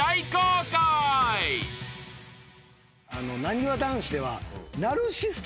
なにわ男子では。